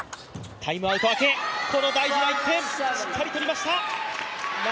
タイムアウト明け、この大事な１点、しっかり取りました。